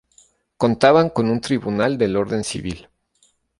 Contaban con un tribunal del orden civil.